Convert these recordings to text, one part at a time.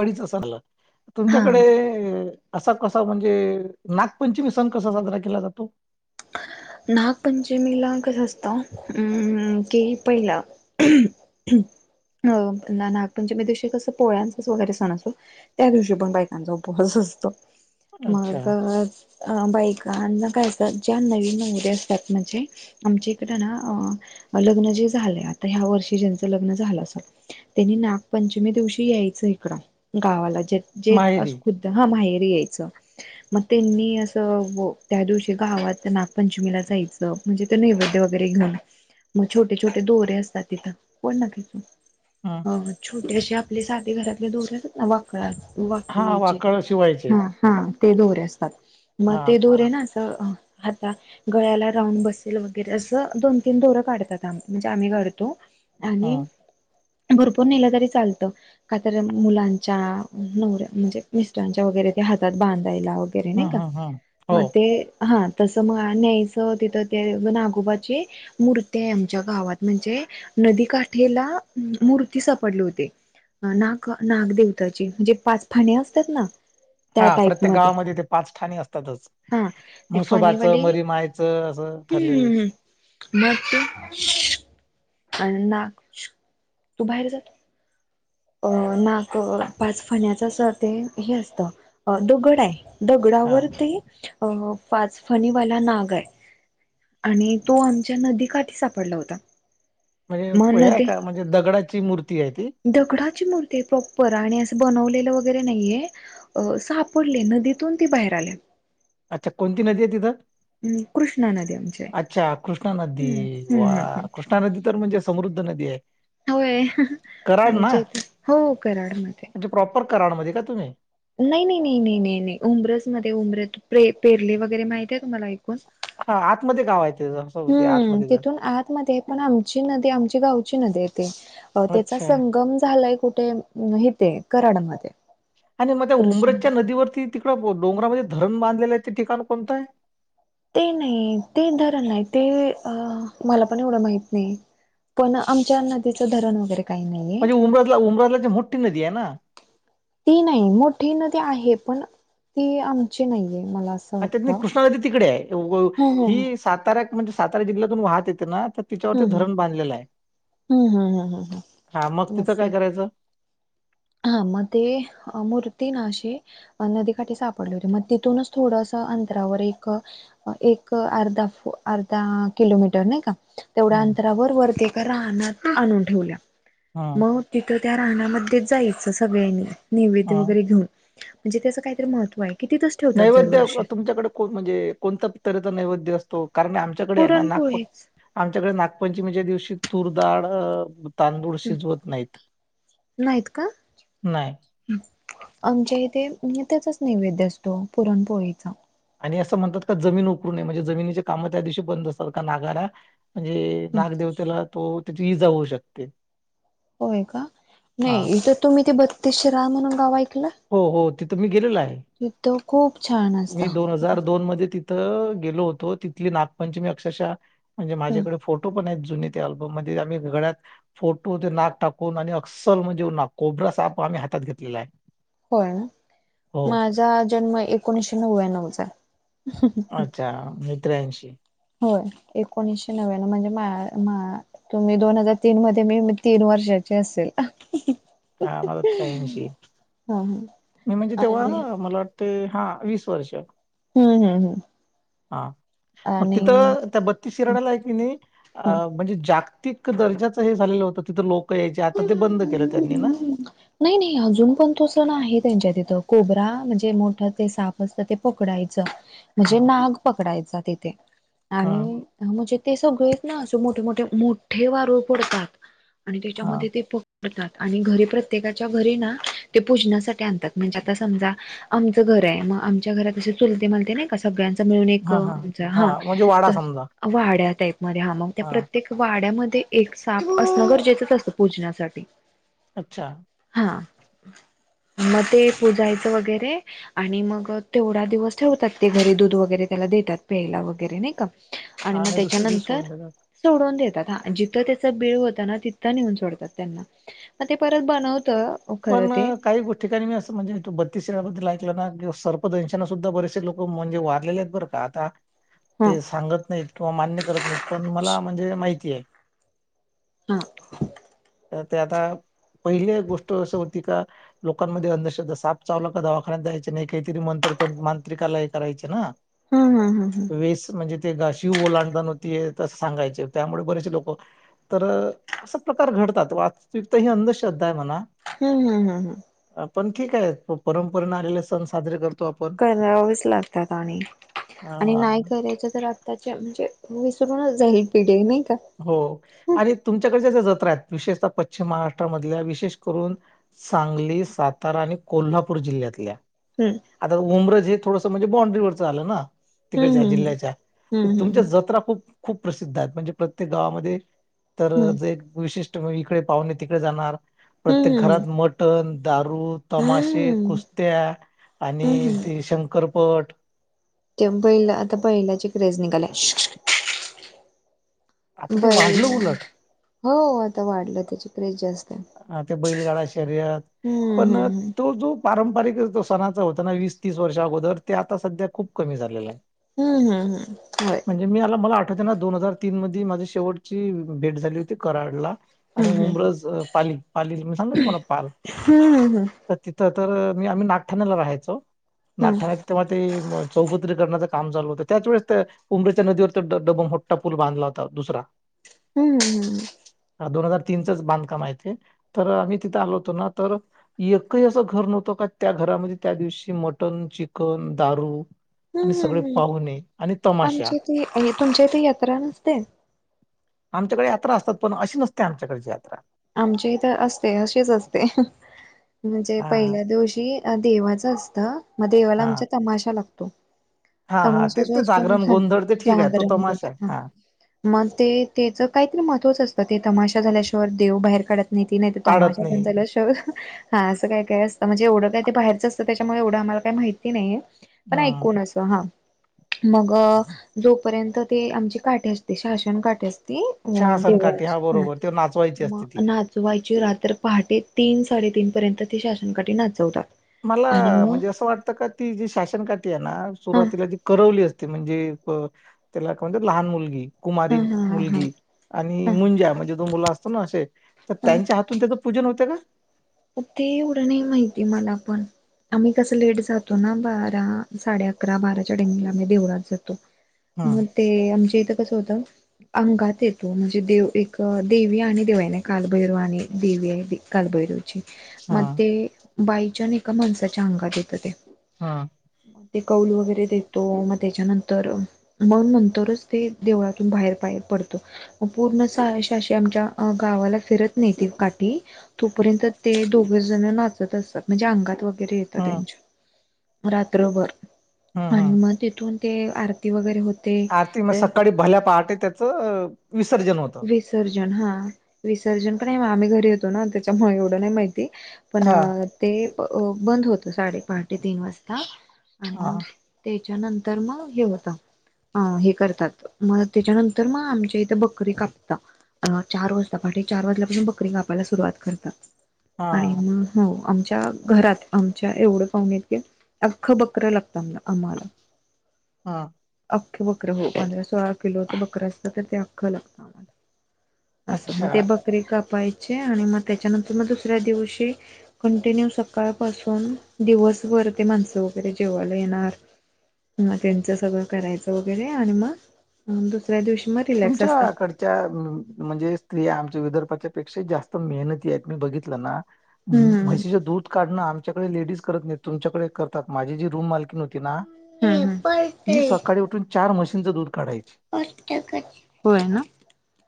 अडीच हजारला हा तुमच्याकडे, असा कसा म्हणजे नागपंचमी सण कसा साजरा केला जातो. नागपंचमीला कसं असतं अम् की पहिला हं अ नागपंचमी दिवशी कस पोळ्यांचाच वगैरे सण असतो त्या दिवशी पण बायकांचा उपवास असतो. अच्छा मग अ बाईकना काय तर ज्या नवीन नवरी असतात म्हणजे आमच्या इकडे ना लग्न जे झालं आता ह्या वर्ष र्षी ज्यांचं लग्न झाल असल त्यांनी नागपंचमी दिवशी याच इकड गावाला जे अस माहेरी खुद्ध हा माहेरी यायचं मग त्यांनी अस त्या व दिवशी गावात नागपंचमीला जायच म्हणजे ते नैवेद्य वगैरे घेऊन. मग छोटे - छोटे दोरे असतात तिथं कोण ना हं अ छोटेशी आपले साधी घरातले दोरतात ना वाकळ हा वाकळीचे वाकळ शिवायचे हा हा ते दोरे असतात मग हा ते दोरे ना असं, आता गळ्याला राऊंड बसेल वगैरे असं दोन तीन दोरं काढतातम म्हणजे आम्ही घडतो. आणि हं भरपूर नेलं तरी चालतं का तर मुलांच्या नवऱ्या म्हणजे मिस्टरांच्या वगैरे, हातात बांधायला वगैरे हं नाही का! हं हं हो मग ते हा तसं मग न्यायचं तिथं ते नागोबाची मूर्ती आहे, आमच्या गावात म्हणजे नदीकाठेला मूर्ती सापडले होते. नाग नाग देवताची म्हणजे पाच फण्या असतात ना! त्या हा टाईप प्रत्येक मध्ये गावामध्ये ते पाच ठाणे असतातच. फनी म्हसोबाचं वली मरी मायचं असं हम् ठरलेलं आहे हम् हम् म अ नाग तू बाहेर जात. अ नाक पाच फण्याच अस ते हे असतं दोघड आहे. हा दगडावर ते अ पाचफणीवाला नाग आहे. आणि तो आमच्या नदीकाठी सापडला होता. म्हणजे मग हे नदी का म्हणजे दगडाची मूर्ती आहे ती, दगडाची मूर्ती प्रॉपर आणि असं बनवलेली. वगैरे नाही सापडले नदीतून ती बाहेर आले. अच्छा कोणती नदी आहे तिथं? कृष्णा नदी आमची आहे. अच्छा कृष्णा नदी हम्म हम्म वा हम्म हम्म कृष्णा नदी तर म्हणजे, समृद्ध नदी आहे. होय, कराड ना आज हो कराड मध्ये, करामध्ये का तुम्ही, नाही नाही नाही नाही नाही नाही उमरेस मध्ये उमरे पेरले वगैरे माहती आहे तुम्हाला ऐकून, हा आतमध्ये गाव आहेत. हम्म! तिथून आतमध्ये आहे पण आमची नदी आमची गावची नदी आहे. अ त्याचा अच्छा संगम झालाय कुठे इथे कराडमध्ये. आणि मग त्या कृष्णा. उमरेजच्या नदीवरती तिकडं डोंगरामध्ये धरण बांधलेल्याचे ठिकाण कोणतं आहे. ते नाही ते धरण आहे ते अ मला पण एवढं माहित नाही. पण आमच्या नदीचं धरण वगैरे, काही नाहीये. म्हणजे उमराला उमरातला ज मोठी नदी आहे ना? ती नाही मोठी नदी आहे पण ती आमची नाहीये, मला असं अ त्यात नाही वाटतं. कृष्णा नदी तिकडे आहे हा हा हा. ही साताऱा म्हणजे सातारा जिल्ह्यातून वाहत येते ना, आता तिच्यावरच हम्म धरण बांधलेलं आहे. हम्म हम्म हम्म हम्म हम्म हा मग हम्म तिथं काय असंय करायचं. हा मग ते मूर्ती ना अे नदीकाठी सापडले होते मग तिथूनच थोडस अंतरावर एक एक अर्धा अर्धा किलोमीटर नाही का! तेवढ्या हं अंतरावर वरती एका राहना आणून ठेवल्या, हं मग तिथ त्या राहणामध्ये जायचं सगळ्यांनी नैवेद्य हं वगैरे घेऊन म्हणजे त्याचं काहीतरी महत्त्व आहे. की तिथंच ठेवतात नैवेद्य दरवर्षी. तुमच्याकडे म्हणजे कोणता तऱहेचा नैवेद्य असतो. कारणी आमच्याकडे आहे नागपं पुरणपोळीच आमच्याकडे नागपंचमीच्या दिवशी तूर दाळ, तांदूळ शिजवत नाहीत नाहीत का नाही, आमच्या इथे त्याचाच नैवेद्य असतो पुरणपोळीचा, आणि असं म्हणतात का जमीन उकरडू नये म्हणजे जमिनीचे काम त्या दिवशी बंद असतात का नागारा म्हणजे नागदेवतेला तो त्याची इजा होऊ शकते. होय का हा नाहीथर तुम्ही ते बत्तीस शे रा म्हण गावाय हो हो तिथं मी गेलेल आहे तिथं खूप छान असत मी दोन हजार दोन मध्ये तिथ गेलो होतो तिथली नागपंचमी अक्षरशः म्हणजे माझ्याकडे फोटो पण आहेत. बम मध्ये आम्ही घड्यात फोटो ते नाक टाकून आणि असल म्हणजे कोब साप आम्ही हात घेतलेला आहे. होय ना हो माझा जन्म एकोणीशे नव्याण्णवचा अच्छा मित्र्यांशी होय एकोणीसशे नव्याण्णव म्हणजे तुम्ही दोन हजार तीन मध्ये मी तीन वर्ष असेल. हा माझा त्र्यांशी मी म्हणजे आणि तेव्हा मला वाटते हा वीस वर्ष हम्म हम् हम्. हा मग तिथ त्या बत्तीस शिराड्याला आहे की नाही म्हणजे जाग. प्रत्यक दर्जाचं हे झालेलं होतं तिथं लोक यायचे आता ते बंद केलं त्यांनी ना नाही नाही अजुन पण तो सण आहे त्यांच्या तिथं कोबरा म्हणजे मोठ ते साप असतं ते पकडायचं हा म्हणजे नाग पकडायचा ते हा आणि म्हणजे ते सगळेच ना असं मोठे मोठे मोठे वारूळ पडतात आणि हा त्याच्यामध्ये ते आणि घरी प्रत्येकाच्या घरी ना ते पुजनासाठी आणतात म्हणजे आता समजा आमचं घर आहे आमच्या घरात चुलते मालते नाही का सगळ्यां मिळुन एक हा हा हा हां म्हणजे वाडा तर समजा वाडा टाईप मध्ये त्या हा प्रत्येक वाड्यामध्ये ते एक साप असणं गरजेचंच असतं पुजनासाठी अच्छा हां मग ते पुजायचं वगैरे आणि मग तेवढा दिवस ठेवतात ते घरी दुध वगैरे देतात प्यायला वैगरे नाही का आणि हा मग नाही दुसऱ्या दिवस त्याच्यानंतर सोडून देतात सोडून देत जिथं त्याच बिळ होत ना तिथं नेऊन सोडतात त्यांना मग ते परत बनवत खरं पण ते काही ठिकाणी मी असं म्हणजे तो बत्तीसबद्दल सर्प दनशानं सुद्धा बरेसे लोक म्हणजे वारलेले आहेत बरं का आता ह ते सांगत नाहीत किंवा मान्य करत नाहीत पण मला म्हणजे माहिती आहे. हां तर ते आता पहिल्या गोष्टी होती का लोकांमध्ये अंधश्रद्धा साप चावला दवाखान्यात जायचे नाही काहीतरी मंत्र तंत्र मांत्रिक करायचे ना हम् हम हम हम वीस म्हणजे शिव ओलांडता नव्हती येत सांगायचे त्यामुळे बरेच लोक तर असा प्रकार घड वास्तविक ही अंधश्रद्धा आहे म्हणा हम्म हम्म हम्म हम् अ, पण ठीक आहे परंपरे न आले सण साजरे कर करावेच लागतात आणि आणि नाही अ करायच तर आताचे म्हणजे विसरून जाईल पिढी नाही का हो आणि तुमच्याकडच्या ज विशेषतः पश्चिम महाराष्ट्रामधल्या विशेष करून सांगली सातारा आणि कोल्हापूर जिल्ह्यातल्या हम्म आता उमरज हे थोडस म्हणजे बाॉड्रीवरचं आलं ना हम्म तिकडच्या हम्म जिल्ह्याच्या तर तुमच्या हम्म जत्रा खूप खूप प्रसिद्ध आहेत म्हणजे ते गावामध्ये तर हम्म जे एक विशिष्ट म्ह इकडे पाहुणे तिकडे जाणार प्रत्येक हम्म हम्म घरात मटण दारू हम्म हम्म तमाशे हम्म कुस्त्या हम्म आणि हम्म ते शंकरपट ते बैला आता बैलाची क्रेज निघाल्या आता ते वाढलं बैला उलट हो आता वाढलं त्याची क्रेज जास्त आहे. हा ते बैलगाडा शर्यत हम्म पण हम्म तो जो पारंपरिक जो सणाचा होता ना वीस तीस वर्ष अगोदर ते आता सध्या खुप कमी झालेलं आहे हम्म हम्म हम्म होय म्हणजे मी आला मला ना दोन हजार तीन मध्ये माझी शेवटची भेट झाली होती कराडला आणि हम्म उमरज पाली पालील सांगलं तुम्हाला पाल हम्म हम्म हम्म तर तिथं तर आम्ही नागठाण्याला राहायचो हम्म नागठाण्यात तेव्हा ते काम चालू होत त्याच वेळे त्या उंमरजच्या नदीवर तर डबम मोट्टा पूल बांधला होता दुसरा हम्म हम् हम्म दोन हजार तीनच बांधकाम आहे. तर आम्ही तिथे आलो होतो ना तर एकही असं घर नव्हतं का त्या घरामध्ये त्या दिवशी मटन चिकन दारू आणि हम्म सगळे हम्म पाहुणे आणि तमाशा आमच्या इथे तुमच्या इथे यात्रा नसते आमच्याकडे यात्रा असतात पण अशी नसते आमच्याकडची यात्रा आमची इथं असते अशीच असते म्हणजे हा पहिल्या दिवशी देवा असत मग देवाला हा आमच्या तमाशा लागतो. हा हा त्याणश ते ते जवचतो जागरण हा ना गोंधळ ते ठीक आहे तो जहागर तमाशा आहे म्ह हा मग ते त्याच काहीतरी महत्वच असतं ते तमाशा झाल्यािवाय शर देव बाहेर काढत नाही त नाही त्माझ ताडत नाही बंजला शर हा असं काय काय असतं म्हणजे एवढं काय ते बाहेरचं असतं त्याच्यामुळे एवढं आम्हाला काही माहिती नाहीे पण हम्म ऐकून अस हा मग जोपर्यंत ते आमचे काठे असते शासन काठे असते तेी अ शहासन काठी हा देवळची ह बरोबर ते नाचवायची असते मग ती नाचवायची रात्र पहाटे तीन साडेतीीन पर्यंत ते शासनकाठी नाचवतात मला आणि मग म्हणजे असं वाटतं का ती जी शासनकाठी आहे ना हा सुरुवातीला जी करवली असते ते म्हणजे त्याला काय म्हणत लहान मुलगी हा कुमारी हा हा हा मुलगी आणि हा मुंजा म्हणजे जो मुलं असतो ना असे तर हा त्यांच्या हातून त्याचं पूजन होते का ते एवढं नाही माहिती आहे मला पण आम्ही कसं लेट जातो ना बारा साडे अकरा बाराच्या डेंगला आम्ही देवळात जातो हम्म मग ते आमच्या इथ अंगात येतो म्हणजे दे एक देवी आणि देवाने कालभैर आणि कालभैर मग हम्म ते बाईच्यान एका माणसाच्या अंगात येतं ते हम्म मग ते कौल वगैरे देतो मग त्याच्यानंतर मग नंतरच ते देवळातून बाहेर पाहेत पण आमच्या गावा फिरत नाही काठी तोपर्य ते दोघे जण नाचत असतात म्हणजे अंगात वगैरे येतं हम्म त्यांच्या रात्रभर हम्म आणि हम्म मग तिथून ते आरती वगैरे होते आरती मग तर सकाळी भल्या पहाटे त्याचं विसर्जन होत विसर्जन हा विसर्जन का नाही आम्ही घरी येतो ना त्याच्यामुळे एवढं नाही माहिती पण हा ते बंद होत साडेपाहा ते तीन वाजता हा ह ते रग होत करतात म त्याच्यानंतर मग आमच्या इथ बकरी कापता चार वाजता पाठी चार वाजल्यापासून बकरी कापायला सुरुवात करत हा आणिग हो आमच्या घात आमच्या एवढणी अख्ख बकर लागत आम्हाला हा अख्खे बकर हो पंधरा सोळा किलोच बकर असत तर ते आ्हाला अस मग ते अच्छा. बकरी कापायची आणि मग त्याच्यानंतर मग दुसऱ्या दिवशी कंटिन्यू सकाळ पासून दिवसभर माणस वगैरे जेवाला येणार ह त्यांच सगळं करायचं वगैरे आणि मग दुसऱ्या दिवशी मग रिलॅक्स अस कडच्या म्हणजे स्त्रिया आमच्या विदर्भाच्या पेक्षा जास्त मेहनती आहेत मी बघितलं ना हम्म म्हैशीच दूध काढणं आमच्याकडे लेडीज करत नाही तुमच्याकडे करतात माझी जी रूम माल त हम्म हम्म. पडतय सळी उ चार दूध काढायची. होय ना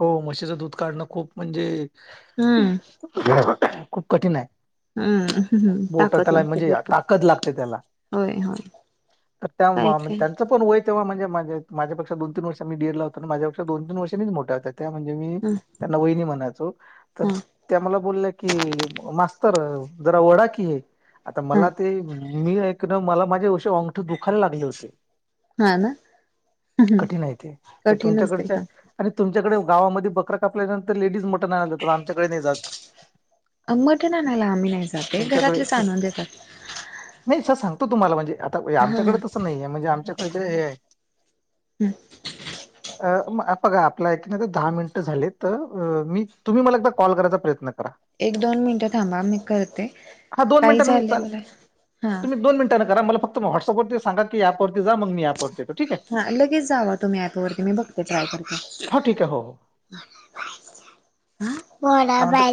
हो म्हशीचं दूध काढणं खूप म्हणजे हम्म खूप कठीण आहे हम्म हम्म बोट ताकद त्याला लागते म्हणजे भरपूर ताकद लागते त्याला होय होय काय काय त्यांचं पण होय तेव्हा म्हणजे माज्या पेक्षा दोन तीन वर्षाने मी डीएड ला होतो ना माझ्या पेक्षा दोन तीन वर्षनीच मोठ्या होत्या. त्या म्हणजे मी ह त्यांना वहिनी म्हणत. तर ह त्या मला बोलल्या की मास्तर जरा वडा कि आता ह मला ते मी ऐक ना मला माझे उशी ंगठ दुखायला लागले होते. हा ना कठीण आहे ते तर कठीण तुमच्याकडे. असते का आणि तुमच्याकडे गावामध्ये बकरा कापल्यानंतर लेडीज मोठं नाही जातात आमच्याकडे नाही जात. मटनआणायला आम्ही नाही जाते तुमच्याकडे घरातलेच खूप आणून देतात. नाही सर सांगतो तुम्हाला म्हणजे आता हा आमच्याकडे तसं नाही आहे म्हणजे आमच्याकडे ज हे. हम्म. बघा आपला ऐक नाही ते दहा मिनिटं झाले मी तुम्ही मला एकदा कॉल करायचा प्रयत्न. करा. एक दोन मिनिटं थांबा मी करते. हां, काही मिनिटांनी मी झालंय चालेल. मला हा. व्हटसप वरती सांगा की अँप वरती. हा लगेच जावा तुम्ही ऍपवरती मी बघ. ाय करग हो, ठीक आहे. हो, हो. काय म्हणता?